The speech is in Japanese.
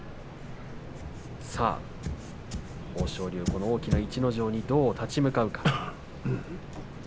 豊昇龍、大きな逸ノ城にどう立ち向かうか。